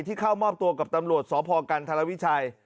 เข้ามอบตัวกับตำรวจสพกันธรวิชัย